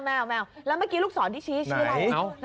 ไม่ไหวลูกสอนที่ชิ้น